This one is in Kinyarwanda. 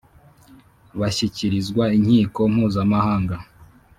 bashyikirizwa inkiko mpuzamahanga